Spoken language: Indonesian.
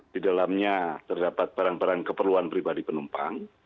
di dalamnya terdapat barang barang keperluan pribadi penumpang